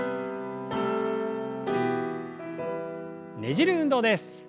ねじる運動です。